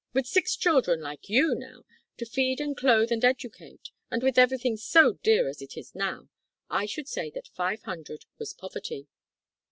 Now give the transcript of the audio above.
With six children like you, now, to feed and clothe and educate, and with everything so dear as it is now, I should say that five hundred was poverty."